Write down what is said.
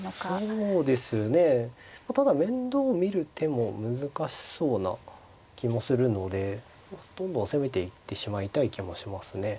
そうですねただ面倒見る手も難しそうな気もするのでどんどん攻めていってしまいたい気もしますね。